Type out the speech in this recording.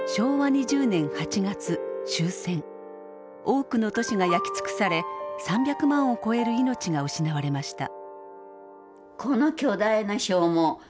多くの都市が焼き尽くされ３００万を超える命が失われました。